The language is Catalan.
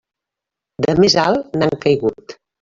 De més alt n'han caigut.